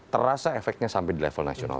terasa efeknya sampai di level nasional